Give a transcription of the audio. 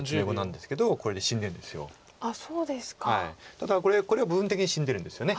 ただこれ部分的に死んでるんですよね